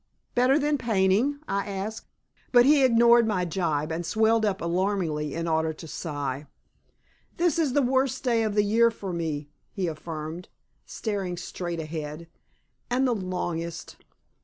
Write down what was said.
"Better than painting?" I asked. But he ignored my gibe and swelled up alarmingly in order to sigh. "This is the worst day of the year for me," he affirmed, staring straight ahead, "and the longest.